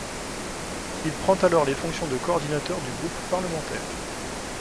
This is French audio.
Il prend alors les fonctions de coordinateur du groupe parlementaire.